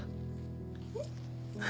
えっ？